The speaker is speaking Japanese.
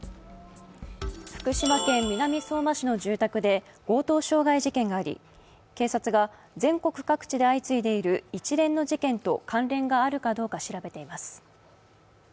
福島県南相馬市の住宅で強盗傷害事件があり、警察が全国各地で相次いでいる一連の事件と関連があるかどうか調べています。